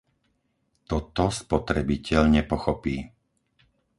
Toto spotrebiteľ nepochopí.